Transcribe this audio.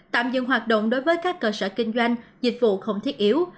tạm dừng hoạt động đối với các cơ sở kinh doanh dịch vụ không thiết yếu